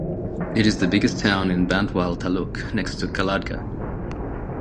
It is the biggest town in bantwal Taluk, next to kalladka.